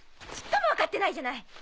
ちっとも分かってないじゃない！